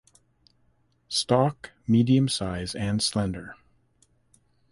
Stalk Medium size and slender.